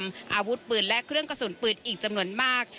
อาวุธปืนและเครื่องกระสุนปืนอีกจำนวนมาก